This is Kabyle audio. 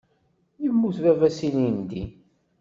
Yemmut baba-s ilindi.